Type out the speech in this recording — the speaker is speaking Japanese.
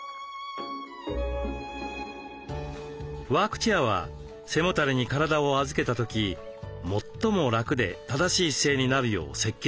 ワークチェアは背もたれに体を預けた時最も楽で正しい姿勢になるよう設計されています。